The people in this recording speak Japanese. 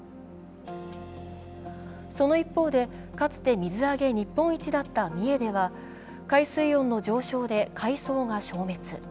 その一方でかつて水揚げ日本一だった三重では、海水温の上昇で海藻が消滅。